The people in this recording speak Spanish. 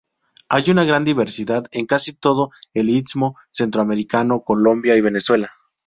Hay una gran diversidad en casi todo el istmo centroamericano, Colombia, y Venezuela.